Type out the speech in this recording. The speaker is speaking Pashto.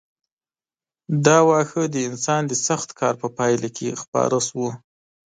دا واښه د انسان د سخت کار په پایله کې خپاره شول.